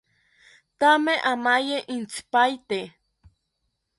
Thame amaye intzipaete